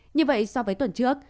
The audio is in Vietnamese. như vậy so với tuần trước